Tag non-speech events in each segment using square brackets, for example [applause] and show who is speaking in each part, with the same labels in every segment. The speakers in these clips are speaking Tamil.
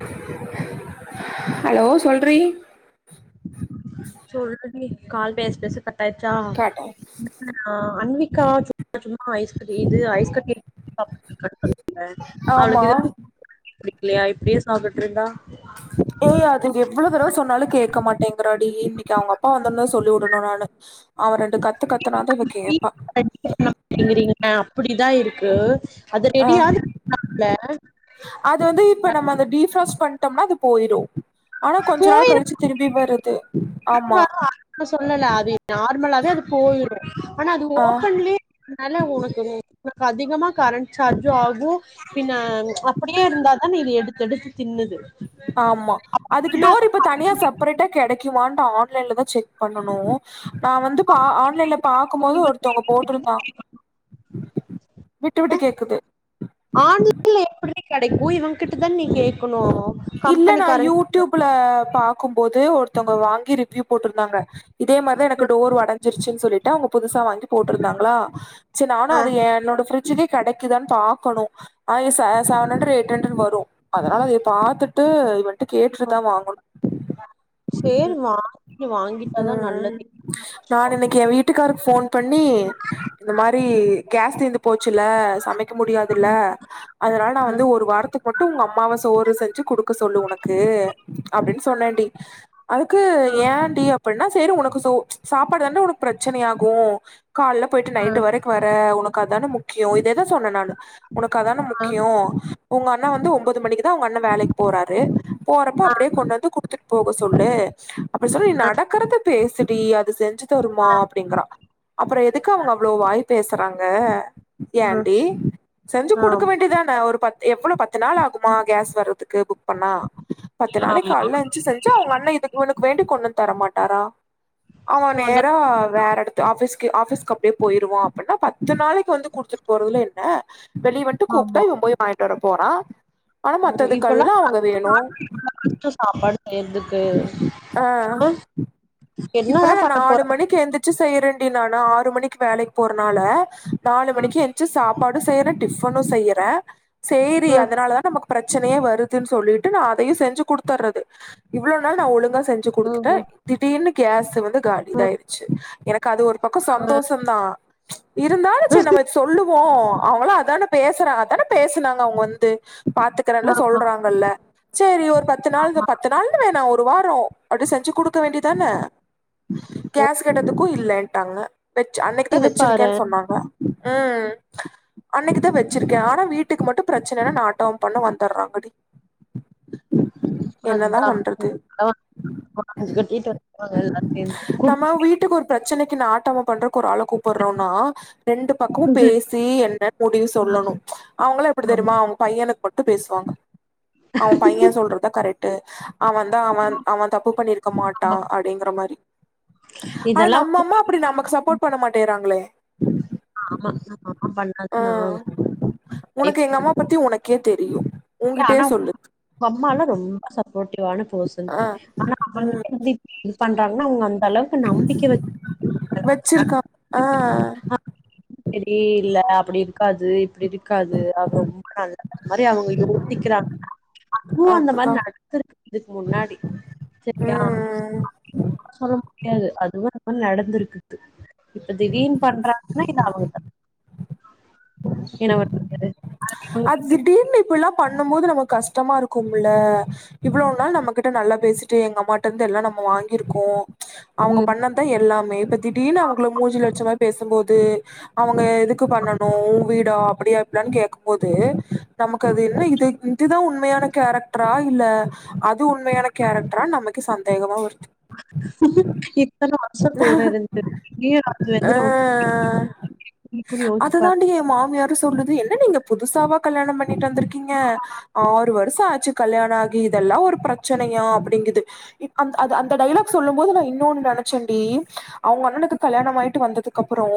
Speaker 1: [unintelligible] [inaudible] ஹலோ சொல்றீ
Speaker 2: சொல்லு நீ கால் பேச பேச க டாயிருச்சா [inaudible]
Speaker 1: காட்டே
Speaker 2: ஆன்வி [unintelligible] ஆ ஐஸ் கட்டி இது ஐஸ் கட்டி
Speaker 1: ஆமா
Speaker 2: [unintelligible] இல்லையா இப்டியே சாப்பிட்டு இருந்தா
Speaker 1: எ அதுங்க எப் இவ்வளவு தடவை சொன்னாலு கேட்க மாட்டேங்குறாடி இன்னைக்கி அவங்க அப்பா வந்தோடானே சொல்லி வுடணு நானு அவர் ரெ கத்து கத்துனாதா இவ கேப்பா
Speaker 2: அப்டிதா இருக்கு அது
Speaker 1: அஹ
Speaker 2: ரெடியாவது
Speaker 1: அது வந்து இப்ப நம்ம அத டீ ப்ராஸ்ட் பண்ணிட்டோம்னா அது போய்ரு ஆனா கொஞ்ச நாள் கழிச்சு திரும்பி வருது ஆமா
Speaker 2: [unintelligible] இல்லல அது நார்மலாவே அது போயிடு ஆனா அது
Speaker 1: ஆ
Speaker 2: ஓபன்லே அதனால உனக்கு உனக்கு அதிகமா கரண்ட் சார்ஜும் ஆகும் பின்ன அப்டியே இருந்தா தானே இது எடுத்து எடுத்து தின்னுது
Speaker 1: ஆமா அதுக்கு
Speaker 2: ஆனா
Speaker 1: டோர் இப்ப தனியா செப்பரேட்டா கெடைக்குமான்டு ஆன் ஆன்லைன்ல தா செக் பண்ணனு நா வந்து பா ஆன்லைன்ல பாக்கும்போது ஒருத்தவங்க போட்டிருந்தா விட்டு விட்டு கேக்குது
Speaker 2: கடைக்கு போய் இவங்க கிட்டததா நி கேக்கு
Speaker 1: இல்ல நா யூடியூப்ல பாக்கும்போது ஒரு த்தங்க வாங்கி ரிவ்யூ போட்ருந்தாங்க இதே மாரி தா எனக்கு டோர் ஒடஞ்சிரு ச்சின் சொல்லிட்டு அவங்க புதுசா வாங்கி போட்ருந்தாங்களா சேரி நானு
Speaker 2: ஆ
Speaker 1: அத என்னோட ஃப்ரிட் ஜுக்கு கெடைக்குதான் பாக்கணு ஆய செ செவன் ஹண்ட்ரட் எய்ட் ஹண்ட்ரட் வரு அதனால அதய பாத்துட்டு இவன் ட்ட கேட்டுட்டு தா வாங்கணு
Speaker 2: சேரி
Speaker 1: உம்
Speaker 2: வாங்கி வாங்கிட்டாதா
Speaker 1: உம்
Speaker 2: நல்லது
Speaker 1: நான் இன்னிக்கு எ வீட்டுக்காரர் ஃபோன் பண்ணி இந்த மாரி கேஸ் தீந்து போச்சுல்ல சமைக்க முடியாதுல்ல அதனால நா வந்து ஒரு வாரத்துக்கு மட்டும் உங்கம் சோறு செஞ்சு குடுக்க சொல்லு உனக்கு அப்டின்னு சொன்னேன்டி அதுக்கு ஏன்டி அப்டின்னா செரி உனக்கு ச சாப்பாடுதான உனக்கு பிரச்சனையாகும் கால்ல போயிட்டு நைட்டு வரைக்கு வர உனக் க்கு அதான முக்கியோ எத சொன்னே நானு உனக்கு அதான
Speaker 2: ஆ
Speaker 1: முக்கியோ உங்க அண்ண வந்து ஒம் ஒம்போது மணிக்கு தா உங்க அண்ண வேலைக்கு போறாரு போறப்ப அப்படியே கொண்டு வந்து குடுத்துட்டு போக சொல்லு அப்டி சொல்லி நீ நடக்கறத பேசடி அது செஞ்சு தருமா அப்டிங்கறா அப்பறம் எதுக்கு அவங்க அவ்ளோ வாய் பேசுறாங்க
Speaker 2: ஆ
Speaker 1: ஏன்டி செஞ்சு குடுக்க
Speaker 2: ஆமா
Speaker 1: வேண்டிதான ஒரு பத்து எவ்ளோ பத்து நாள் ஆக மா கேஸ் வர்றதுக்கு புக் பண்ணா பத்து நாளைக்கு காலைல ஏஞ்சி செஞ்சா அவங்க அண்ண இதுக்கு உனக்கு வேண்டி கொண்டந்து தரமாட் ட்டாரா அவ
Speaker 2: அதா
Speaker 1: நேரா வேற எடத்து ஆபீஸ்க் க்கு ஆபீஸ்க்கு அப்டியே போயிருவா அப்பன்னா பத்து நாளைக்கு வந்து குடுத்துட்டு போறதுல என்ன வெளி வண்ட்டு கூப்டா இவ போய் வாங் ட்டு வர போறா
Speaker 2: ஓ இப்ப எல்லா [inaudible] சாப்பாடு செய்யறதுக்கு
Speaker 1: ஆஹ்
Speaker 2: ஆ என்னதா
Speaker 1: இப்பல்லா நா
Speaker 2: பண்ண போற
Speaker 1: நாலு மணிக்கு எந்திரிச்சு செய்றேன் ஏனா நா ஆறு மணிக்கு வேலைக்கு போறனால நாலு
Speaker 2: ம்
Speaker 1: மணிக்கு எந்திச்சு சாப்பாடு செய்றே டிஃபனு செய்யறே சேரி
Speaker 2: ம்
Speaker 1: அதனால தா நமக்கு ப்ரச்சனையே வருதுன் சொல்லிட்டு நா அதையு செஞ்சு குடுத்தர்றது இவ்ள நாள் நா ஒழுங்கா செஞ்சு
Speaker 2: ம்
Speaker 1: குடுத்துட்ட
Speaker 2: ம்
Speaker 1: திடீர்னு கேஸ வந்து காலி
Speaker 2: ம்
Speaker 1: இதாயிட்ச்சு எனக்கு அது ஒரு பக்கொ சந்தோஷந்தா இருந்தாலு சேர் நம்ம சொல்லு போ அவுங்களு அதான பேசுறா அதான பேசுனாங்க அவுங்க வந்து பாத்துக்குறன்ல
Speaker 2: ஆமா
Speaker 1: சொல்றாங்கல்ல சேரி ஒரு பத்து நாள் த பத் வேணா ஒரு வாரோ அவ்டி செஞ்சு குடு வேண்டிதான
Speaker 2: ஓ,
Speaker 1: கேஸ் கேட்டதுக்கு இல் இல்லேன்ட்டாங்க வெச் அன்னக்தா
Speaker 2: இது பாரே
Speaker 1: வெச்சிருக்கேன் சொன்னாங்க ம் அன்னக்குதா வெ சிருக்கே ஆனா வீட்டுக்கு மட்டு ப்ரச்சனன்னா நாட்டவு பண்ண வந்தற்றாங்கடி
Speaker 2: அத்தா [inaudible]
Speaker 1: நாட்டமா பண்றக்கு ஒரு ஆள கூப்பற்றோனா ரெண்டு பக்கவு பேசி என்னன் முடிவு சொல்லணு அவுங்களா எப்படி
Speaker 2: குடும்பம்
Speaker 1: தெரியுமா அவுங் பையனுக் பொட்டு பேஸ்வாங்க அவு பைய சொல்றத்தா கரைட் ட்டு அவந்தா அவ அவ தப்பு பண்ணிருக்க மாட்டா அப்பிடிங்கிற மாரி ஆனா
Speaker 2: இதெல்லா
Speaker 1: நம்ம அம்மா அப்டி நமக்கு சப்போர்ட் பண்ண மாட்டேறாங்களே
Speaker 2: ஆமா ஆ
Speaker 1: அ உனக்கு எங்க அம்மா பத்தி உனக்கே தெரியு
Speaker 2: ஏ
Speaker 1: உங்கிட்டயே
Speaker 2: ஆனா
Speaker 1: சொல்லுது
Speaker 2: உங்க அம்மாலா ரொம்ப ச ப்போட்டிவான பர்சன்
Speaker 1: ஆ
Speaker 2: ஆனா அவங்கிட்ட வந்து [inaudible] பண்றாங்னா அவங்க அளவுக்கு நம்பிக்கை வச்சு
Speaker 1: வெச்சிருக்கா ஆ
Speaker 2: செரியே இல்ல அப்டி இருக்காது இப்டி இருக்காது அவ ரொம்ப நல்லவ மாரி அவ [inaudible] இப்பவு அந்த மாரி
Speaker 1: அதுதா
Speaker 2: நடந்துருக்கு இதுக்கு முன்னாடி செரியா
Speaker 1: ம்
Speaker 2: சொல்ல முடியாது அதுவு நடந்துருக்குது இப்ப திடீர்ன் பண்றாங்கனா இது அவுங்கதா என்ன வது [unintelligible]
Speaker 1: அது திடீர்னு இப்ப எல்லா பண்ண பண்ணும் போது நமக்கு கஷ்டமா இருக்கும்ல இவ்ளவு நாள் நம்ம கிட்ட நல்லா பேசிட்டு டேய் எங்க அம்மா கிட்ட இருந்து எல்லா நம்ம வாங்கியிருக்கோம் ப்ச் அவங்க
Speaker 2: ம்
Speaker 1: பண்ண தான் எல்லாமே இப்ப திடீனு அவங்கள மூஞ்சு லட்சமாரி பேசு ம் போது அவங்க எதுக்கு பண்ணனும் வீடா அப்படியா இப்படியானு கே போது நமக்கு அது என்ன இது இதுதான் உண்மையான கேரக்டரா இல்ல அது உண்மையான கேரக்டரா நமக்கு சந்தேகமா வரு
Speaker 2: இத்தன வருச கூட இருந்து
Speaker 1: ஆ
Speaker 2: [unintelligible] யோசிச்சு
Speaker 1: அத
Speaker 2: பாரு
Speaker 1: தாண்டி என் மாமியாரும் சொல்லுது. "என்ன நீங்க புதுசாவா கல்யாணம் பண்ணிட்டு வந்திருக்கீங்க ஆறு வருஷம் ஆச்சு கல்யாணம் ஆகி இதெல்லா ஒரு பிரச்சனையா அப்படிங்குது அந்த அ அந்த டைலாக் சொல்லும் போது நான் இன்னொன்னு நினைச்சேன்டி அவங்க அண்ணனுக்கு கல்யாணம் ஆயிட்டு வந்ததுக்கு அப்புறம்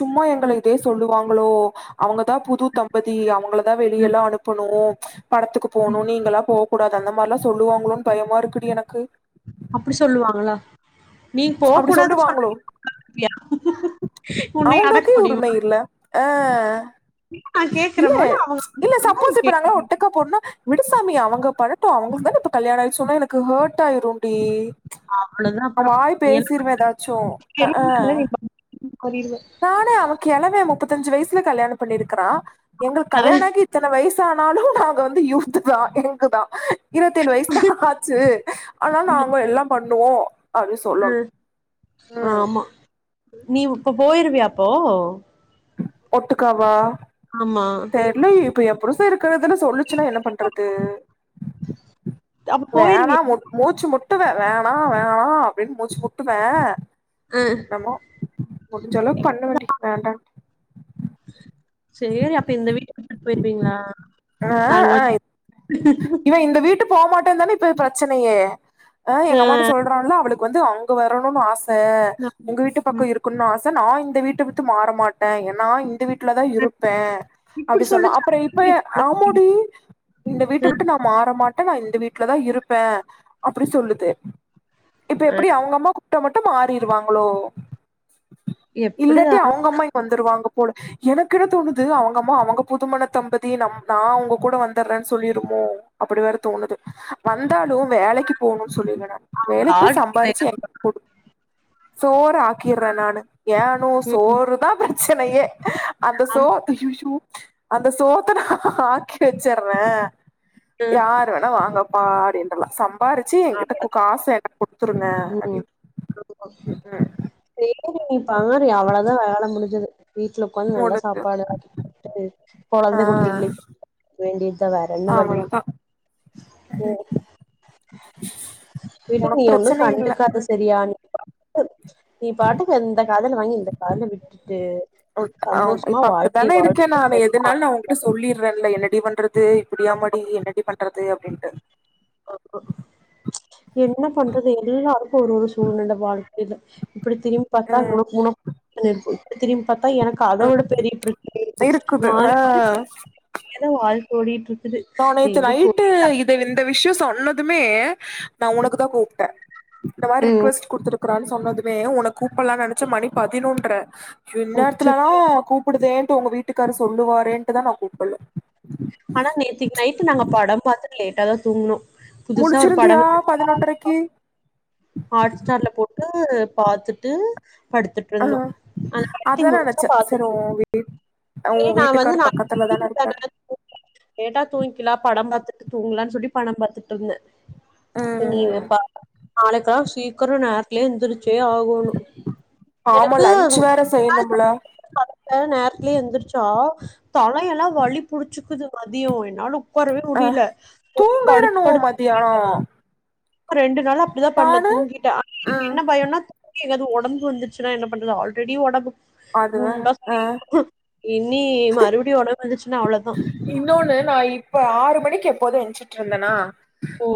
Speaker 1: சும்மா எங்களை இதே சொல்லுவாங்க [unintelligible] அவங்க த புதுத்தம் பதி அவங்களதான் வெளிய எல்லா அனுப்பணும் படத்துக்கு போணும் நீங்களாம் போ கூடாது அந்த மாரிலா சொல்லுவாங்களோன்னு பயமா இருக்குடி எனக்கு
Speaker 2: அப்படி சொல்லுவாங்களா நீ
Speaker 1: அப்டி
Speaker 2: போக்கூடாதுன்னு சொன்ன
Speaker 1: சொல்லுவாங்களோ
Speaker 2: கேப்பியா? உன்னைய அடக்க
Speaker 1: அவங்களுக்கே
Speaker 2: முடியுமா?
Speaker 1: உரிமை இல்ல அஹ்
Speaker 2: நா
Speaker 1: இல்ல
Speaker 2: கேக்குறமோன்னு அவங்க
Speaker 1: இல்ல
Speaker 2: சொன்னா நீ
Speaker 1: சப்போஸ் இப்ப
Speaker 2: கேக்கணு
Speaker 1: நாங்கள ஒட்டக்கா போனோன்னா விடுசாமி அவங்க படட்டும் அவங்களுக்கு தானே இப்போ கல்யாண ஆயிடுச்சோன்னா எனக்கு ஹர்ட் ஆயிரும் டி
Speaker 2: ஆஹ்
Speaker 1: நா வாய் பேசிருவேன் ஏதாச்சும் ஹக்ஹ
Speaker 2: எதுவுமே இல்ல நீ பாட்டுக்கு மாறிடுவ
Speaker 1: நானே அவ கிளவ முப்பத்தஞ்சு வயசுல கல்யாணம் பண்ணிரு ருக்குறான் எங்களுக்கு கல்யாண ஆகி இத்தனை வயசு வயசானாலும் நாங்க வந்து யூத்து தான் எங்கு தான் இருபத்தேழு வயசு தான் ஆச்சு ஆனா நாங்க எல்லா பண்ணுவோம் அப்டினு சொல்லனும்
Speaker 2: ம்
Speaker 1: ம்ம்ம்
Speaker 2: ஆமா நீ இப்ப போயிருவியாப்போ
Speaker 1: ஒட்டுக்காவா
Speaker 2: ஆமா
Speaker 1: தெர்லயே இப்ப எபுருச இருக்கிறதுல சொல்லுச்சுன்னா என்ன பண்றது
Speaker 2: அப்ப போயிருவியா
Speaker 1: வேணாம் மூச் மூச்சு முட்டுவே வேணாம் வேணாம் அப்டின்னு மூச்சு முட்டுவேன்
Speaker 2: ஆ
Speaker 1: என்னமோ முடிஞ்ச அளவு பண்ணு வேண்டி வேண்டாட்டு
Speaker 2: [inaudible] அப்ப இந்த வீட்ட விட்டுட்டு போயிருவீங்களா
Speaker 1: ஆஹ்
Speaker 2: நாங்க வந்து
Speaker 1: ஆய் இவன் இந்த வீட்டு போமாட்டேன்னு தானே இப்ப பிரச்சனையே ஆஹ் எங்க அம்மாட்ட சொல்ரான்ல அவள வந்து அவங்க வரணும்னு ஆச
Speaker 2: ஆ
Speaker 1: உங்க வீட்டு
Speaker 2: ம்
Speaker 1: பக்கம் இருக்குனு ஆச தான ச நான் இந்த வீட்டை விட்டு மாற மாட்டேன் ஏன்னா இந்த வீட்டு ந்த வீட்ல தான் இருப் இருப்பேன் அப்டி
Speaker 2: இப்டி
Speaker 1: சொன்னா
Speaker 2: சொல்லுச்சா
Speaker 1: அப்றம் இப்ப ஆமோடி இந்த வீட்டை விட்டு நான் மாற மாட்ட இந்த வீட்டு வீட்ல தான் இருப்பேன் அப்படி சொல்லுது இப்ப எப்டி அவங்க அம்மாக்கு முட்ட மட்டும் மாறிரு வாங்களோ இல்லட்டி
Speaker 2: எப்டிதானு
Speaker 1: அவங்க அம்மா இங்க வந்துருவாங்க போல எனக்குனு தோணுது அவங்க அம்மா அவங்க புதுமண தம்பதி நம் நான் அவங்க கூட வந்துறேன்னு சொல்லிருமோ அப்டி வேற தோணுது வந்து இருந்தாலும் வேலைக்கு போணும்னு சொல்றாங்க வேலைக்கு போய் சம்பாரிச்சு எனக் குடுக் சோற ஆக்கிறன் நானு ஏணு சோறுதான் ப ச்செனையே
Speaker 2: ஆமா
Speaker 1: சோத் ஐயையோ அந்த சோத்து நா ஆக்கி பிச்சிறேன் யாரு வேணா வாங்கப்பா அப்டினு ல்ல சம் சம்பாரிச்சு எ கிட்ட காச என்கிட்ட குடுத்ருங்க
Speaker 2: ம்
Speaker 1: அப்டின்னு
Speaker 2: செரி நீப்பாரு அவ்வளவுதான் வேலை முடிஞ்சது வீட்ல உட்காந்து நல்லா
Speaker 1: முடிஞ்சு
Speaker 2: சாப்ட்டு
Speaker 1: ஆ
Speaker 2: கொழந்த குட்டிகலை பாத்துக்க வேண்டியத்தான் வேற என்ன வழி
Speaker 1: அவ்வளவுதா
Speaker 2: உ விடு நீ
Speaker 1: உனக்கு
Speaker 2: ஒண்ணு
Speaker 1: பிரச்சனை
Speaker 2: கண்டுக்காத சரியா நீ அ காதுல விட்டுட்டு
Speaker 1: ஆ
Speaker 2: சந்தோஷமா
Speaker 1: இப்ப
Speaker 2: வாழ்க்கைய
Speaker 1: அப்படித்தானே இருக்கேன் நான்னு
Speaker 2: வாழ்
Speaker 1: எதனால நான் உங்கிட்ட சொல்லிடுறேன்ல என்னடி பண்றது இப்படியா மடி என்னடி பண்றது இண்ட்டு
Speaker 2: என்ன பண்றது எல்லாருக்கும் ஒரு ஒரு சூழ்நில வாழ்க்கையில இப்படி திரும்பி பாத்தா
Speaker 1: ம்
Speaker 2: உனக் முன பண்ணிற்து திரும் பாத்தா எனக்கு அதோட பெரிய பிரச்சனை இருக்கும்
Speaker 1: இருக்குது
Speaker 2: மாரி
Speaker 1: ஆ
Speaker 2: மாரி ஏதோ வாழ் ஓடிட்ருக்
Speaker 1: நா நேத்து நைட்டு இது இந்த விஷயம் சொன்ன துமே நா உனக்கு தா கூப்பிட்டே இந்த மாதி
Speaker 2: ம்
Speaker 1: ரிக்வஸ்ட் குடுத்துருக்றான் சொன்னதுமே உன கூப்பல்லா நெனைச்சே மணி பதினொன்ற
Speaker 2: அச்சச்சோ
Speaker 1: இந்நேரத்துலல்லா கூப்பிடுதேன் உங்க வீட்டுக்காரு சொல்லுவாரேன்டுதா நா கூப்பல
Speaker 2: ஆனா நேத்திக்கு நைட்டு நாங்க படம் பாத்த லேட்டா தா தூங்னோ
Speaker 1: முழிச்சிருந்தியா பதினொன்றரைக்கு
Speaker 2: ஹாட் ஸ்டார்ல போட்டு பாத்துட்டு படுத்துட்டு
Speaker 1: ஆ
Speaker 2: இருந்தோ அந்த
Speaker 1: அதா நெனச்சே சரி உ வீ உ
Speaker 2: [inaudible] நா வந்து
Speaker 1: வீட்டுக்காரு
Speaker 2: நா
Speaker 1: பக்கத்துல தான இருக்காரு
Speaker 2: லேட்டா தூங்கிக்ளா படோ பாத்து [unintelligible] தூங்குளா சொல்லி படோ பாத்துட்டு இருந்தே நீங்க
Speaker 1: ம்
Speaker 2: [inaudible] நாளைக் தா சீக்கரோ நேரத்துலியே எந்துருச் சே ஆகணு
Speaker 1: ஆமா
Speaker 2: எனக்கு
Speaker 1: லன்ச்
Speaker 2: [inaudible]
Speaker 1: வேற செய்யணும்ல
Speaker 2: நேர் [unintelligible] எந்திரிச்சா தலையெல்லா வலி புடிச்சிக்குது மதியோ என்னால உட்காரவே
Speaker 1: ஆஹ்
Speaker 2: முடியல. படுத்து
Speaker 1: தூங்கறணு
Speaker 2: படுத்து
Speaker 1: மத்தியானோ
Speaker 2: ரெண்டு நாளா அப்டிதா பண்ண
Speaker 1: நானு
Speaker 2: தூங்கிட்டே ஆனா எனக்கு
Speaker 1: ம்
Speaker 2: என்ன பயம்னா [inaudible] எதாவ்து ஒடம்பு வந்துச்சுன்னா என்ன பண்றது ஆல்ரெடி ஒடம்பு
Speaker 1: அதுவ
Speaker 2: குண்டா
Speaker 1: ஆஹ்
Speaker 2: சுருங்கிருக்கும். இனி மறுபுடியு ஒட வந்துச்சு
Speaker 1: இன்னொன்னு நா இப் இப்ப ஆறு மணிக்கு எப்போதும் என்சிட்டு இருந்தேனா
Speaker 2: ஓ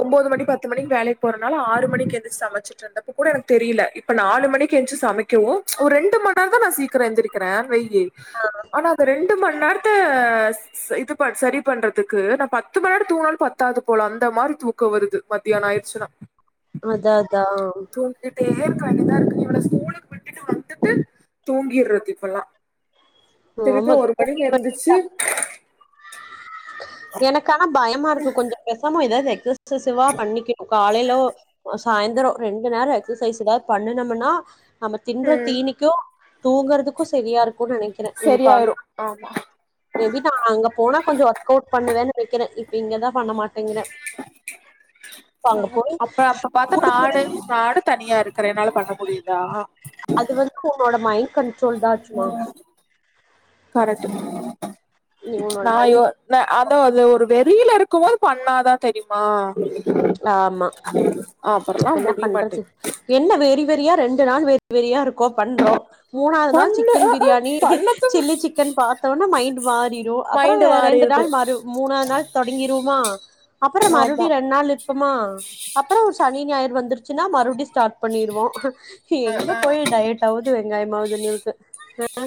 Speaker 1: ஒன்பது மணி பத்து பத்து மணிக்கு வேலைக்கு போறனால ஆறு மணிக்கு எந்திரிச்சு சமைச்சுட்டு இருந்தப்பக் கூட எனக்கு தெரில இப்போ நாலு மணிக்கு எந்திரிச்சு சமைக்கவும் ஒரு ரெண்டு மண்ணேராம் நான் சீக்கிரம் நா எந்திரிக்கிறேன் வேயு ஆனா அத் ரெண்டு மண் நேரம் இது ப சரி பண்றதுக்கு நான் பத்து பத்து மண்நேரம் தூக்ணாளும் பத்தாது போல அந்த மாதிரி தூக்கம் வருது மத்தியானம் ஆயிடுச்சுனா
Speaker 2: அதான் அதான்
Speaker 1: தேற்கண்ணிதான் இருக்கு இவள ஸ்கூலுக்கு விட்டுட்டு வந்துட்டு தூங்கிடுறது இப்பல்லாம் திருப்பி
Speaker 2: ஆமா
Speaker 1: ஒரு மணிக்கு
Speaker 2: தூக்கம்.
Speaker 1: இருந்துச்சு
Speaker 2: எனக்கன இருக்கு கொஞ்சம் கசமும் இதத [unintelligible] சிவா பண்ணிக்க காலையில சாயந்தரம் ரெண்டு நேரம் எக்சசைஸ் ஏதாவது பண்ணனமுனா நம்ம
Speaker 1: ம்
Speaker 2: தின்றதீனிக்கும் தூங்குறதுக்கும் சரியா இருக்கும் நினைக்கிறேன் இன்
Speaker 1: சரியாயிரு ஆமா
Speaker 2: அங்க போனா கொஞ்சம் ஒர்க அவுட்பண்ண நினைக்கிறேன் இப்ப இங்கதான் பண்ண மாட்டேங்கிறன்
Speaker 1: அப்ப அப்ப பாத்தா காடு நாடு தனியா இருக்கு கிறையனால பண்ண முடியுதாஹ
Speaker 2: அது வந்து ஹூனோட மைன் கண்டரோல்தான்ச்சுமா
Speaker 1: கரட்ட
Speaker 2: நீ உன்னோட
Speaker 1: நான்யயோ
Speaker 2: மைண்ட்
Speaker 1: ந அதான் அது ஒரு வெளியில இருக்கும்போது பண்ணாதான் தெரியுமா
Speaker 2: ஆமா
Speaker 1: அப்பறல்லா
Speaker 2: என்ன பண்றது ச
Speaker 1: முடியமாட்டேங்குது
Speaker 2: என்ன வேறி பெறியா ரெண்டு நாள் வேறு வெரியா இருக்கும் பண்றோம் மூணாவது நாள்
Speaker 1: பண்ணு
Speaker 2: சிக்கன்
Speaker 1: அ ஆ
Speaker 2: பிரியாணி
Speaker 1: பண்ணதுக்கு
Speaker 2: சில்லி சிக்கன் பார்த்தோனே மைண்ட் மாறிரும் அப்புறம்
Speaker 1: மைண்ட்
Speaker 2: ரெண்டு
Speaker 1: மாறிடுது
Speaker 2: நாள் ம மூணாவது நாள் தொடங்கிருவமா அப்புறம்
Speaker 1: ஆமா
Speaker 2: மறுபடியும் ரெ இருப்பமா அப்புறம் ஒரு சனி ஞாயிறு வந்துருச்சுன்னா மறுபடியும் ஸ்டார்ட் பண்ணிருவோம் எங்க போய் டயட் ஆகுது வெங்காயமாவதுண்ண இருக்குஹ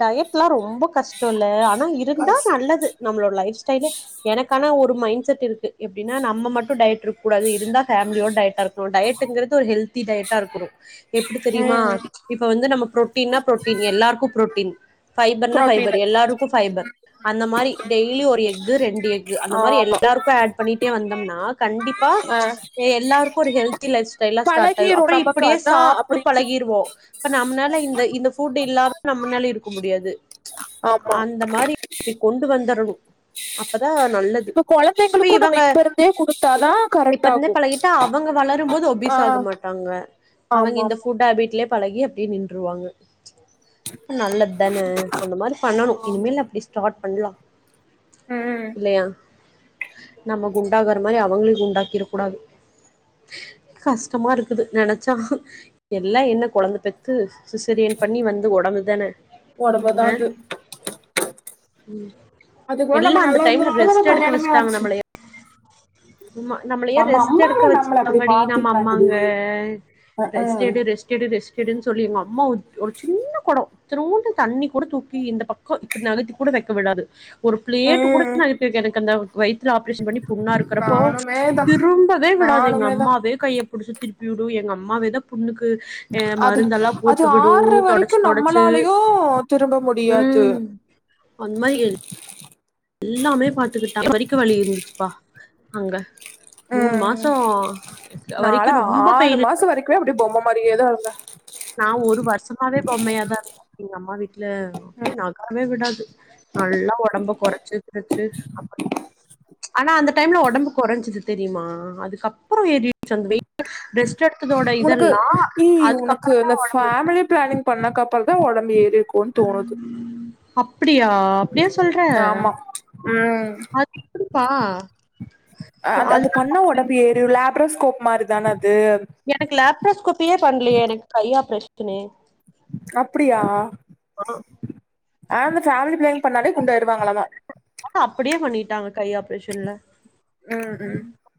Speaker 2: டயட்லாம் ரோ ரொம்ப கஷ்டம் இல்ல ஆனா இருந்தா
Speaker 1: கஷ்டோ
Speaker 2: நல்லது நம்மளோட லைப் ஸ்டை எனக்கான ஒரு மைண்ட் செட் இருக்கு எப்டினா நம்ம மட்டும் ட்யட் இருக்க கூடாது இருந்தா ஃபேமலியோட டயட்டா இருக்கும் டயட்ங்கிறது ஒருஹெ்ள் தி டயட்டா இருக்கிறோம் எப்படி தெரியுமா
Speaker 1: ம்
Speaker 2: இப்ப வந்து நம்ம புரோட்டீனா புரோட்டீன் எல்லாருக்கும் குபுரோட்டின் பபைபர்னா பைபர்
Speaker 1: புரோட்டீனு
Speaker 2: எல்லாருக்கும் பைபர் அந்த மாதிரி டெய்லி ஒரு இது ரெண்டு எக் அந்த மாதிரி
Speaker 1: ஆமா
Speaker 2: எல்லாருக்கும் அட் அந்த நா கண்டிப் ப்பா
Speaker 1: ஆ
Speaker 2: எல்லாருக்கு ஒரு ஹெல்தி லைஃப் ஸ்டைல்லா ஸ்டார்ட் ஆயிடு
Speaker 1: பழகிரும்
Speaker 2: அப்புறோ
Speaker 1: நமக்கு
Speaker 2: இப்டியே
Speaker 1: அதான்
Speaker 2: சாப்ட்டு
Speaker 1: அப்டின்ட்டு
Speaker 2: பலகிடுவோ இப்ப நம்மளால இந்த இந்த ஃபுட் இல்லாம நம்மனால இருக்க முடியாது
Speaker 1: ஆமா
Speaker 2: அந்த மாரி இப்படி கொண்டு வந்துறணு அப்பதா
Speaker 1: இப்போ கொழந்தைங்க
Speaker 2: இவுங்க இப்பெருந்து
Speaker 1: ஆகு
Speaker 2: பழகிட்டா அவுங்க வளரும்போது
Speaker 1: ஆ
Speaker 2: ஒபிஸாக மாட்டாங்க
Speaker 1: ஆமா
Speaker 2: அவுங்க
Speaker 1: ஆமா
Speaker 2: இந்த ஃபுட் ஹாபிட்லயே பலகி அப்டியே நின்றுருவாங்க இப்ப நல்லது தானே அந்த மாதிரி பண்ணணு இனிமேல அப்பிடி ஸ்டார் எல்லா
Speaker 1: ம்
Speaker 2: நம்ம குண்டாகற மாதிரி அவுங்களையு குண்டாக்கிடக் கூடாது கஷ்டமாருக்குது நெனைச்சா எல்லா என்ன கொழந்த பெத்து சிசரிய பண்ணி வந்து ஒடம்புதானே
Speaker 1: ஒடம்பு தா அது
Speaker 2: உம்
Speaker 1: அது கோட நம்ம நல்லாருந்ததுனால தானே நம்ம கல்யணமே
Speaker 2: தாங்கமுளையே ம்மா நம்மளயே
Speaker 1: நம்ம
Speaker 2: ரெஸ்ட்
Speaker 1: அம்மாங்க
Speaker 2: எடுக்க
Speaker 1: நம்மள அப்டி
Speaker 2: வெச்சாங்காடி நம்ம
Speaker 1: பாத்துக்கிட்டாங்கடி
Speaker 2: அம்மாங்க
Speaker 1: அஹ்
Speaker 2: ரெஸ்ட்டெடு
Speaker 1: அஹ்
Speaker 2: ரெஸ்டெடு ரெஸ்டெடுன்னு சொல்லி எங்க அம்மா ஒரு சின்ன கொடோ இத்தனோண்டு தண்ணி கூட தூக்கி இந்த பக்கோ இப்புடி நகத்திக்கூட வைக்க விடாது ஒரு பிளேட் கூட
Speaker 1: ம்
Speaker 2: நகத்தி வைக்காதுங்க அந்த வய்துல்ல ஆப்ரேஷன் பண்ணி புண்ணாருக்குறப் இப்போ
Speaker 1: நானுமேதா
Speaker 2: திரும்பவே விடாது எங்க
Speaker 1: நானுமேதா
Speaker 2: அம்மாவே கைய புடிச்சி திருப் டு எங்க அம்மாவேதா புண்ணுக்கு அஹ்
Speaker 1: அது
Speaker 2: மருந்தெல்லா
Speaker 1: அது
Speaker 2: போட்டு விடு
Speaker 1: ஆர்ற
Speaker 2: தொடச்சு
Speaker 1: வரைக்கு
Speaker 2: தொடுடச்சு
Speaker 1: நம்மளாலயு திரும்ப முடியாது
Speaker 2: உஹம் அந்த மாரி எல்லாமே பாத்துக்கிட்டா [inaudible] பறிக்க வலி இருந்துச்சுப்பா அங்க
Speaker 1: அஹ் அஹ்
Speaker 2: மாசம்
Speaker 1: நாள
Speaker 2: வரைக்கும் ரொம்ப
Speaker 1: ஆறு
Speaker 2: பெயின்
Speaker 1: மாசோ வரைக்குமே அப்டியே பொம்ம மாரியேதா இருந்த
Speaker 2: நா ஒரு வருஷமாவே பொம்மையாதா இருந்த எங்க அம்மா வீட்ல அப்டியே நகரவே விடாது நல்லா ஒடம்பு குறைஞ்சி கிருச்சு அப்ப ஆனா அந்த டைம்ல ஒடம்பு குறைஞ்சது தெரியுமா அதுக்கப்பறோ ஏறிருச்சு அந்த வெய் [inaudible] டுத்ததோட இதெல்லா அது
Speaker 1: க்கு நபேமிலி பிளானிங் பண்ணக்க அப்புறம் தான் உடம்பு ஏறி ஒன் தோணுது
Speaker 2: அப்படியா? அப்படியா சொல்ற?
Speaker 1: ஆமா உம்
Speaker 2: அது எப்படிப்பா?
Speaker 1: அது
Speaker 2: அதுதான்
Speaker 1: பண்ண உடம்பு ஏரியுளப் அப்ரோஸ்கோப் மாரி தான அது
Speaker 2: எனக்கு லேப்ராஸ்கோபியே பண்லயே எனக்கு கை ஆப்ரஷன் க்கினு
Speaker 1: அப்படியா ஆமா ஃபேமிலிபிளானிங் பண்ணாளே குண்டாய்டுவாங்களா மா
Speaker 2: ஆ அப்படியே பண்ணிட்டாங்க கை ஆப்ரேஷன்ல
Speaker 1: ம் ம்